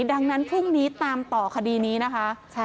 ดังนั้นพรุ่งนี้ตามต่อคดีนี้นะคะ